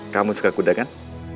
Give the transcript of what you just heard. kamu suka kuda kan